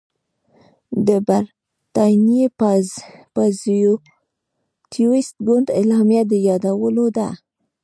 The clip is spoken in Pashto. د برټانیې پازیټویسټ ګوند اعلامیه د یادولو ده.